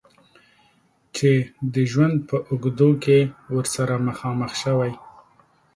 چې د ژوند په اوږدو کې ورسره مخامخ شوی.